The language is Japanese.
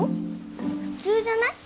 普通じゃない？